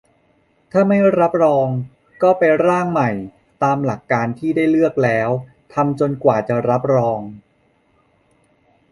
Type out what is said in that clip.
ถ้าไม่รับรอง ก็ไปร่างใหม่ ตามหลักการที่ได้เลือกแล้ว ทำจนกว่าจะรับรอง